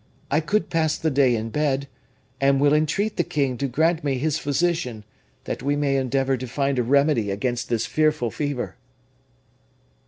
I could pass the day in bed, and will entreat the king to grant me his physician, that we may endeavor to find a remedy against this fearful fever."